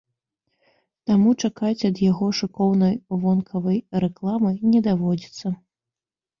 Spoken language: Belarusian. Таму чакаць ад яго шыкоўнай вонкавай рэкламы не даводзіцца.